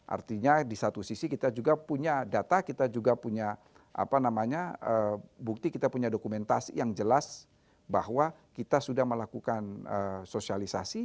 artinya di satu sisi kita juga punya data kita juga punya bukti kita punya dokumentasi yang jelas bahwa kita sudah melakukan sosialisasi